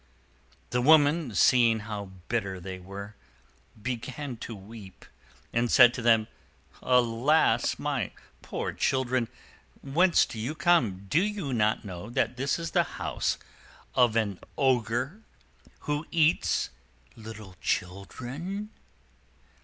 The woman, seeing how bitter they were, began to weep, and said to them, "Alas! my poor children, whence do you come? Do you not know that this is the house of an Ogre, who eats little children?"